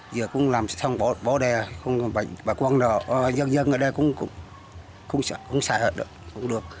giờ cũng làm xong bỏ đè bà quân dân dân ở đây cũng xài hết cũng được